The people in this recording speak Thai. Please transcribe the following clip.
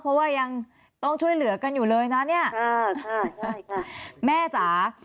เพราะว่ายังต้องช่วยเหลือกันอยู่เลยนะเนี่ยใช่ค่ะแม่จ๋า